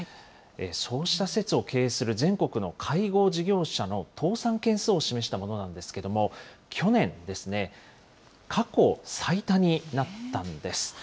そうした施設を経営する全国の介護事業者の倒産件数を示したものなんですけれども、去年ですね、過去最多になったんです。